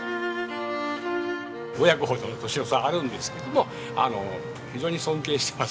親子ほどの年の差あるんですけどもあの非常に尊敬しています。